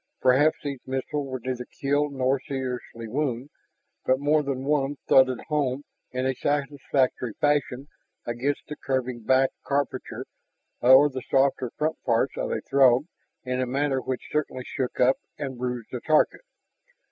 Perhaps these missiles could neither kill nor seriously wound. But more than one thudded home in a satisfactory fashion against the curving back carapace or the softer front parts of a Throg in a manner which certainly shook up and bruised the target.